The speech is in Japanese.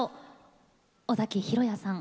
尾崎裕哉さん